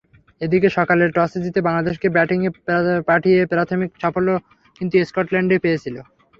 এদিকে সকালে টসে জিতে বাংলাদেশকে ব্যাটিংয়ে পাঠিয়ে প্রাথমিক সাফল্য কিন্তু স্কটল্যান্ডই পেয়েছিল।